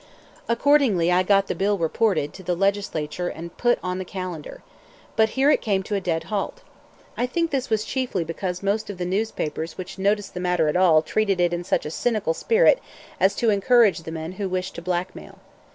Accordingly I got the bill reported to the Legislature and put on the calendar. But here it came to a dead halt. I think this was chiefly because most of the newspapers which noticed the matter at all treated it in such a cynical spirit as to encourage the men who wished to blackmail.